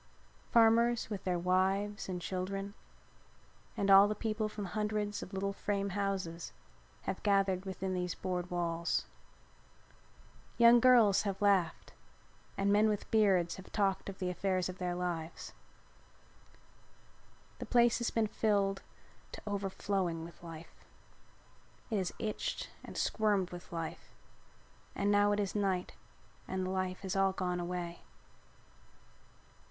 Farmers with their wives and children and all the people from the hundreds of little frame houses have gathered within these board walls. Young girls have laughed and men with beards have talked of the affairs of their lives. The place has been filled to overflowing with life. It has itched and squirmed with life and now it is night and the life has all gone away.